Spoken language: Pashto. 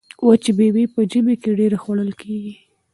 وچې میوې په ژمي کې ډیرې خوړل کیږي.